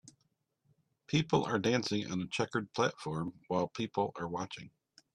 people are dancing on a checkered platform while people are watching